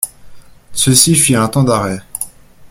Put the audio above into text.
Ceci fit un temps d'arrêt.